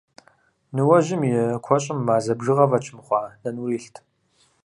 Ныуэжьым и куэщӀым мазэ бжыгъэ фӀэкӀ мыхъуа нэнур илът.